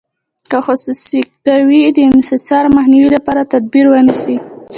که خصوصي کوي د انحصار مخنیوي لپاره تدابیر ونیسي.